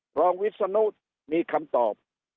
ครองวิชสนุทธ์มีคำตอบ